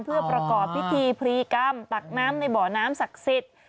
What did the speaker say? เพื่อประกอบพิธีพรีกรรมตักน้ำในบ่อน้ำศักดิ์สิทธิ์